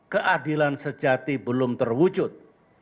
keadilan sejati belum terwujud